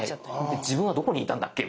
で自分はどこにいたんだっけ？